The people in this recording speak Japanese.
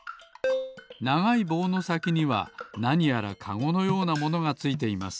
ながいぼうのさきにはなにやらカゴのようなものがついています。